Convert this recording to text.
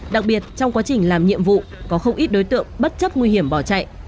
đặc biệt trong quá trình làm nhiệm vụ có không ít đối tượng bất chấp nguy hiểm bỏ chạy